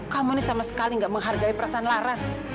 kamu ini sama sekali gak menghargai perasaan laras